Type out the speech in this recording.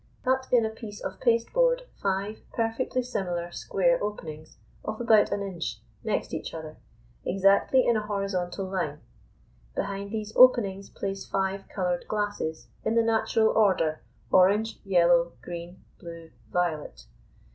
Cut in a piece of pasteboard five perfectly similar square openings of about an inch, next each other, exactly in a horizontal line: behind these openings place five coloured glasses in the natural order, orange, yellow, green, blue, violet.